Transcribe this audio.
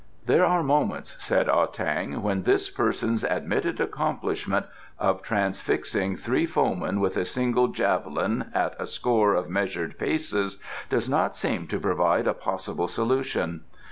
"There are moments," said Ah tang, "when this person's admitted accomplishment of transfixing three foemen with a single javelin at a score of measured paces does not seem to provide a possible solution.